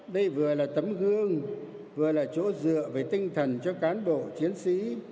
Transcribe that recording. đây vừa là tấm gương vừa là chỗ dựa về tinh thần cho cán bộ chiến sĩ